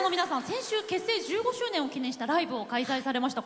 先週結成１５周年を記念したライブを開催されました。